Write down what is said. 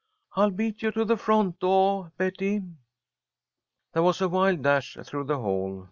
"I'll beat you to the front doah, Betty." There was a wild dash through the hall.